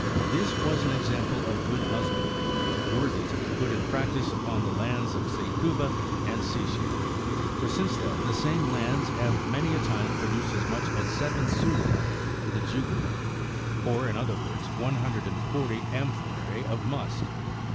This was an example of good husbandry worthy to be put in practice upon the lands of Csecuba and of Setia ; for since then these same lands have many a time produced as much as seven culei to the jugerum, or in other words, one hundred and forty amphorae of must.